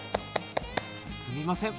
すみません